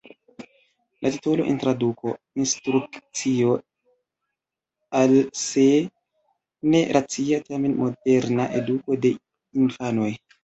La titolo en traduko: "Instrukcio al se ne racia tamen moderna eduko de infanoj".